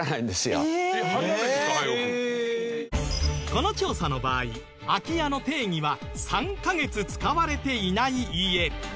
この調査の場合空き家の定義は３カ月使われていない家。